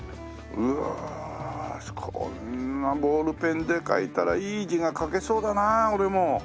うわこんなボールペンで書いたらいい字が書けそうだな俺も。